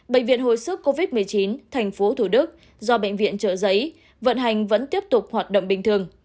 bệnh viện hồi sức covid một mươi chín tp thủ đức do bệnh viện trợ giấy vận hành vẫn tiếp tục hoạt động bình thường